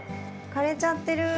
枯れちゃってる。